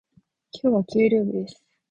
今日は給料日です。